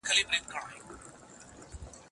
پور مه کوئ چې میلمه خوشحاله کړئ.